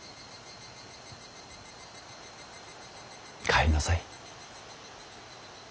帰りなさい。